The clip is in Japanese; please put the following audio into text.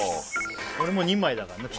俺もう２枚だからね